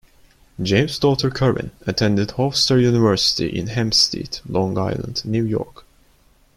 James daughter Corin, attended Hofstra University in Hempstead, Long Island, New York.